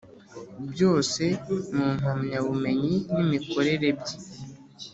Byose Mu Mpamyabumenyi N Imikorere Bye